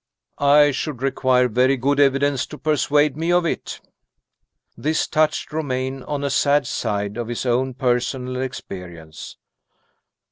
"I should require very good evidence to persuade me of it." This touched Romayne on a sad side of his own personal experience.